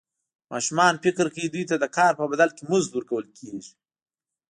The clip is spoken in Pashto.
ماشومان فکر کوي دوی ته د کار په بدل کې مزد ورکول کېږي.